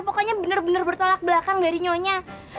pokoknya bener bener bertolak belakang dari nyonya